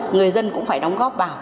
người dân cũng phải đóng góp vào